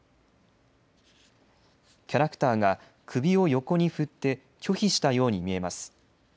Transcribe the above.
キャラクターが首を横に振って拒否したように見えます。